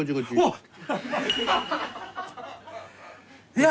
いや。